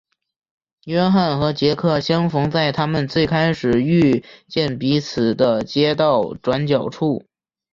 约翰和杰克相逢在他们最开始遇见彼此的街道转角处。